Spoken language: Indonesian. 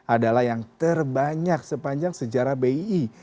adalah yang terbanyak sepanjang sejarah bii